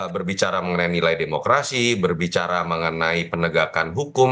berbicara mengenai nilai demokrasi berbicara mengenai penegakan hukum